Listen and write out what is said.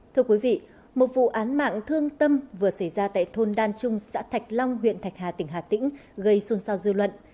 thưa quý vị một vụ án mạng thương tâm vừa xảy ra tại thôn đan trung xã thạch long huyện thạch hà tỉnh hà tĩnh gây xuân sao dư luận